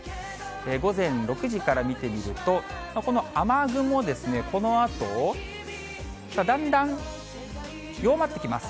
午前６時から見てみると、この雨雲ですね、このあと、だんだん弱まってきます。